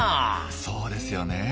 そうですよね。